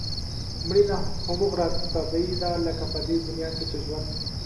مړینه هغومره طبیعي ده لکه په دې دنیا کې چې ژوند.